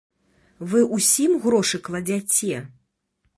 Вы усім грошы кладзяце?